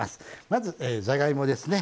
まずじゃがいもですね。